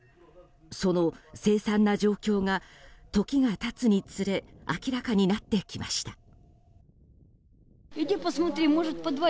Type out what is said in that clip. その凄惨な状況が時が経つにつれ明らかになってきました。